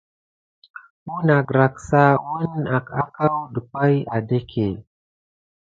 Ounagrassa wuna akou dumpay aɗéke.